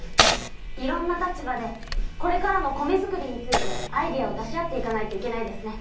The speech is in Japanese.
いろんな立場でこれからの米づくりについてアイデアを出し合っていかないといけないですね。